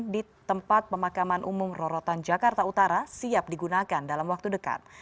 di tempat pemakaman umum rorotan jakarta utara siap digunakan dalam waktu dekat